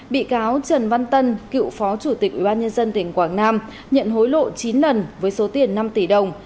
bị cáo trần văn tân cựu phó chủ tịch ubnd tỉnh quảng nam nhận hối lộ chín lần với số tiền năm tỷ đồng